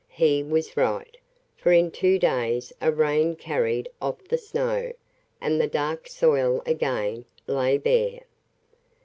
He was right; for in two days a rain carried off the snow and the dark soil again lay bare.